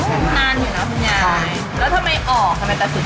แล้วทำไมออกทำไมตะสุด